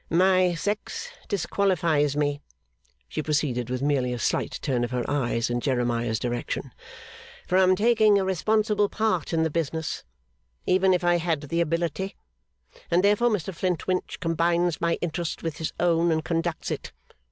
'My sex disqualifies me,' she proceeded with merely a slight turn of her eyes in Jeremiah's direction, 'from taking a responsible part in the business, even if I had the ability; and therefore Mr Flintwinch combines my interest with his own, and conducts it.